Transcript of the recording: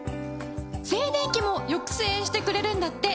静電気も抑制してくれるんだって！